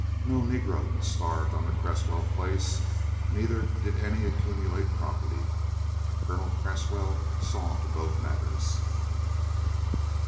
No Negro starved on the Cresswell place, neither did any accumulate property. Colonel Cresswell saw to both matters.